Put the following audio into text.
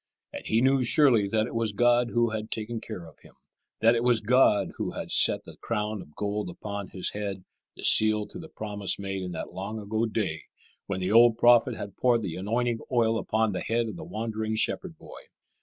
And he knew surely that it was God who had taken care of him; that it was God who had set the crown of gold upon his head, the seal to the promise made in that long ago day when the old prophet had poured the anointing oil upon the head of the wandering shepherd boy.